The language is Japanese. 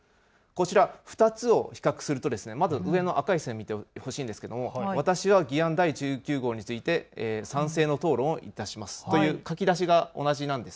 ２つを比較するとまず上の赤い線を見てほしいのですが私は議案第１９号について賛成の討論をいたしますという書きだしが同じなんです。